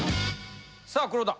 さあ黒田。